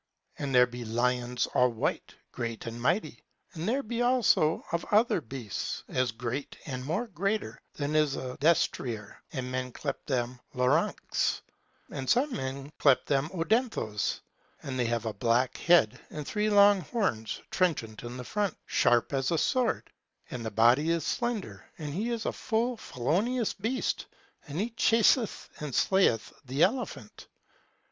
And there be lions all white, great and mighty. And there be also of other beasts, as great and more greater than is a destrier, and men clepe them Loerancs; and some men clepe them odenthos; and they have a black head and three long horns trenchant in the front, sharp as a sword, and the body is slender; and he is a full felonious beast, and he chaseth and slayeth the elephant.